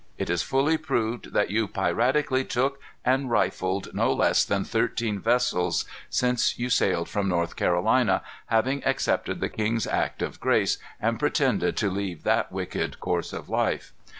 It is fully proved that you piratically took and rifled no less than thirteen vessels since you sailed from North Carolina, having accepted the king's act of grace, and pretended to leave that wicked course of life.